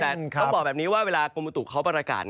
ต้องบอกแบบนี้ว่าเวลากรมตุเขาบรรกาศ